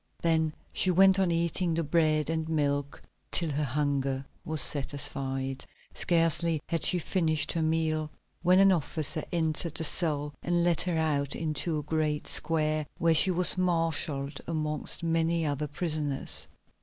Then she went on eating the bread and milk till her hunger was satisfied. Scarcely had she finished her meal, when an officer entered the cell and led her out into a great square, where she was marshalled amongst many other prisoners.